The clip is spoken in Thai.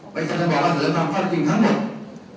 ไปฉันจะไปบอกเราเสนอความจริงทั้งหมด